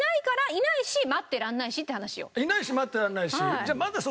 いないし待ってられないし？